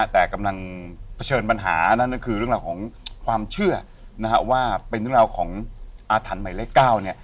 แต่กำลังเผชิญปัญหาคือเรื่องหล่อของความเชื่อว่าเป็นเรื่องราวของอาถรรภ์ใหม่ไล่๙